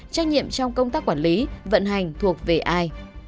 trách nhiệm trong công tác quản lý vận hành thuộc về ai